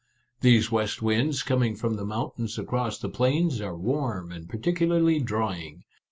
These west winds, coming from the mountains across the plains, are warm and particularly drying.